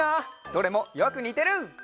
どれもよくにてる！